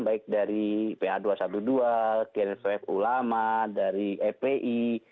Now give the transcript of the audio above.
baik dari pa dua ratus dua belas gnpf ulama dari fpi